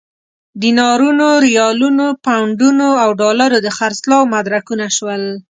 دینارونو، ریالونو، پونډونو او ډالرو د خرڅلاو مدرکونه شول.